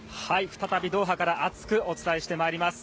再びドーハから熱くお伝えしてまいります。